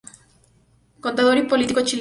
Contador y político chileno.